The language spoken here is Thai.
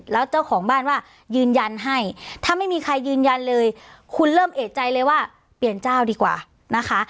แล้วเจ้าของบ้านว่ายืนยันให้ถ้าไม่มีใครยืนยันเลยคุณเริ่มเอกใจเลยว่าเปลี่ยนเจ้าดีกว่านะคะ